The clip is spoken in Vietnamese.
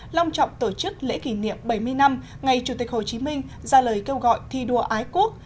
long trọng tổ chức lễ kỷ niệm bảy mươi năm ngày chủ tịch hồ chí minh ra lời kêu gọi thi đua ái quốc